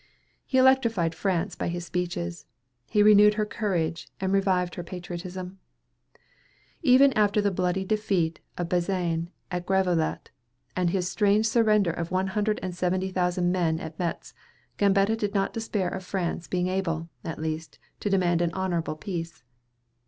He electrified France by his speeches; he renewed her courage, and revived her patriotism. Even after the bloody defeat of Bazaine at Gravelotte, and his strange surrender of one hundred and seventy thousand men at Metz, Gambetta did not despair of France being able, at least, to demand an honorable peace.